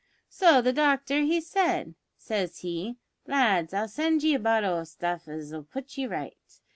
So the doctor he said, says he, `Lads, I'll send ye a bottle o' stuff as'll put ye right.'